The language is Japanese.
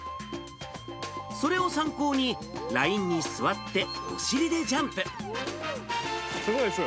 それを参考にラインに座ってお尻すごいです。